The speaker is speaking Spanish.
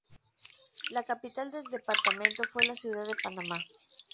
La capital del departamento fue la ciudad de Panamá.